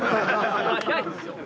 早いですよ。